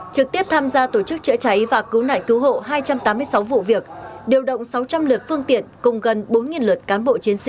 trực tiếp tham gia tổ chức chữa cháy và cứu nạn cứu hộ hai trăm tám mươi sáu vụ việc điều động sáu trăm linh lượt phương tiện cùng gần bốn lượt cán bộ chiến sĩ